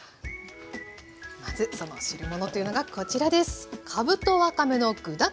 まずその汁物というのがこちらです。